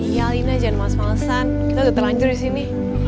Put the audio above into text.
iya alina jangan males malesan kita udah terlanjur di sini